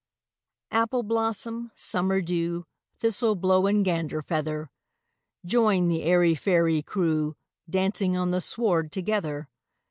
Appleblossom, Summerdew, Thistleblow, and Ganderfeather! Join the airy fairy crewDancing on the sward together!